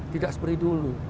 tidak seperti dulu